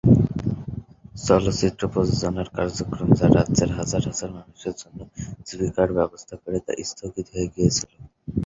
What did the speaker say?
চলচ্চিত্র প্রযোজনার কার্যক্রম, যা রাজ্যের হাজার হাজার মানুষের জন্য জীবিকার ব্যবস্থা করে, তা স্থগিত হয়ে গিয়েছিল।